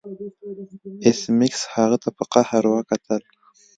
ایس میکس هغه ته په قهر وکتل